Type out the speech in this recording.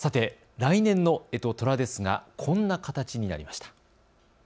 来年のえと、とらですが、こんな形になりました。